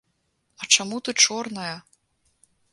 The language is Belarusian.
А чаму ты чорная?